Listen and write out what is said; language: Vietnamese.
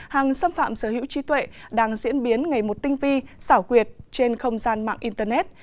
hàng xâm phạm sở hữu trí tuệ đang diễn biến ngày một tinh vi xảo quyệt trên không gian mạng internet